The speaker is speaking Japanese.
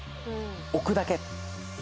置くだけ。